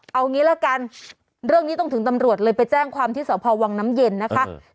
เอางี้ละกันเรื่องนี้ต้องถึงตำรวจเลยไปแจ้งความที่สพวังน้ำเย็นนะคะ